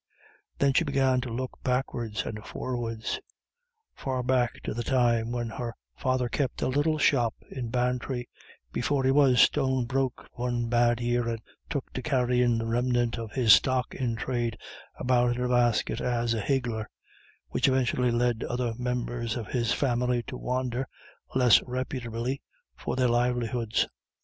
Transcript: Then she began to look backwards and forwards. Far back to the time when her father kept a little shop in Bantry, before he was stone broke one bad year and took to carrying the remnant of his stock in trade about in a basket as a higgler, which eventually led other members of his family to wander, less reputably, for their livelihoods.